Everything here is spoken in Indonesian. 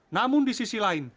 namun di sisi lain